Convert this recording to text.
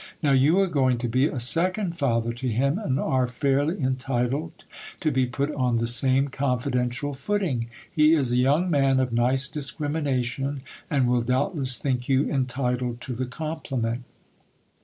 Now you are going to be a second father to him, and are fairly entitled to be put on the same confidential footing. He is a young man of nice discrimination, and will doubtless think you entitled to the compliment.